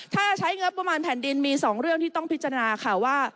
ถ้าใช้งบประมาณแผ่นดินมี๒เรื่องที่ต้องพิจารณาค่ะว่า